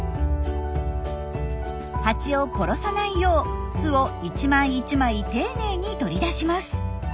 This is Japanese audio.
ハチを殺さないよう巣を一枚一枚丁寧に取り出します。